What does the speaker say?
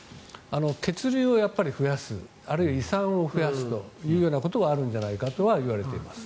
血流を増やすあるいは胃酸を増やすというようなことはあるんじゃないかとは言われています。